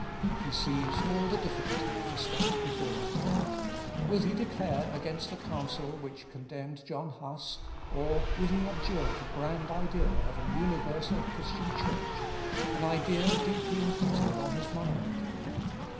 He sees all the difficulty of the step before him. Will he declare against the Council which condemned John Huss, or will he abjure the grand idea of an universal Christian Church, an idea deeply imprinted on his mind?